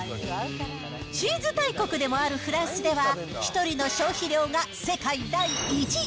チーズ大国でもあるフランスでは、１人の消費量が世界第１位。